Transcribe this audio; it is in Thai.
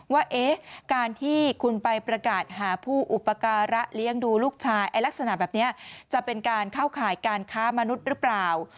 ว่าการที่คุณไปประกาศหาผู้อุปการะเลี้ยงดูลูกชายลักษณะแบบนี้จะเป็นการเข้าข่ายการค้ามนุษย์หรือเปล่า